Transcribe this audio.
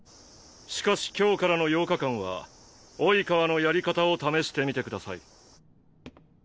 しかし今日からの８日間は「生川」のやり方を試してみてください。